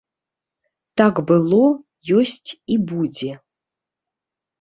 Так было, ёсць і будзе.